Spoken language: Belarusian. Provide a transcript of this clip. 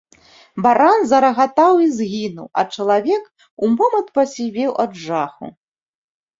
Баран зарагатаў і згінуў, а чалавек у момант пасівеў ад жаху.